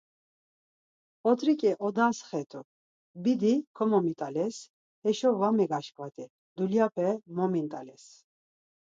Ot̆riǩe odas xet̆u, bidi komomit̆ales, heşo va megaşǩvat̆i, dulyape momint̆ales.